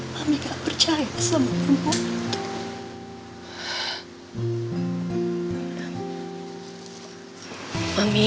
mami gak percaya sama perempuan itu